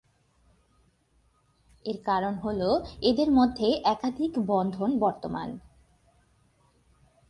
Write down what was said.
এর কারণ হল এদের মধ্যে একাধিক বন্ধন বর্তমান।